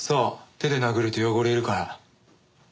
手で殴ると汚れるから。